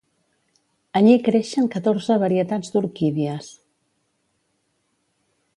Allí creixen catorze varietats d'orquídies.